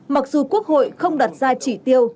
mặc dù quốc hội không đặt ra chỉ tiêu